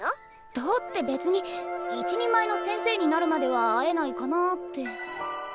どうって別に一人前の先生になるまでは会えないかなって。